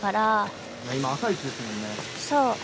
そう。